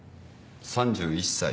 ３１歳。